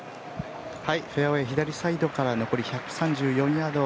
フェアウェー左サイドから残り１３４ヤード。